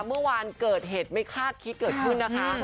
เมื่อวานเกิดเหตุไม่คาดคิดเกิดขึ้นนะคะ